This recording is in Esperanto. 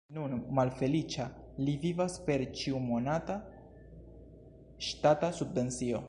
Nun malfeliĉa li vivas per ĉiumonata ŝtata subvencio.